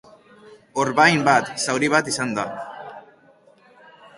Orbain bat, zauri bat izan da.